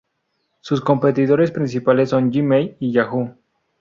Sus competidores principales son Gmail y Yahoo!